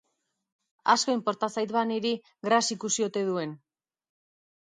Asko inporta zait, ba, niri Grassi ikusi ote duen!